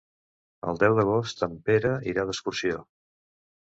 El deu d'agost en Pere irà d'excursió.